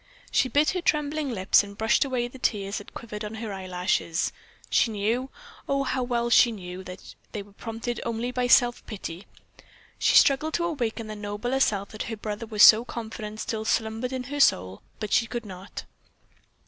She bit her trembling lips and brushed away the tears that quivered on her eyelashes. She knew, oh, how well she knew, that they were prompted only by self pity. She struggled to awaken the nobler self that her brother was so confident still slumbered in her soul, but she could not.